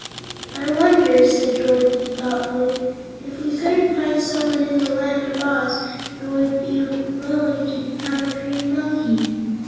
"I wonder," said Dorothy, thoughtfully, "if we couldn't find someone in the Land of Oz who would be willing to become a green monkey?